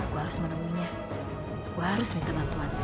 gua harus menemunya gua harus minta bantuannya